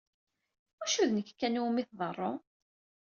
Iwacu d nekk kan iwumi tḍerru?